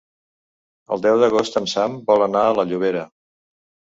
El deu d'agost en Sam vol anar a Llobera.